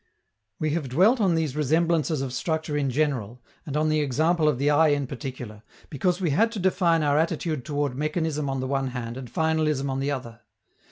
We have dwelt on these resemblances of structure in general, and on the example of the eye in particular, because we had to define our attitude toward mechanism on the one hand and finalism on the other.